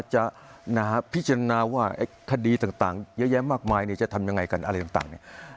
จะพิจารณาว่าคดีต่างเยอะแยะมากมายจะทำยังไงกันอะไรต่างเนี่ย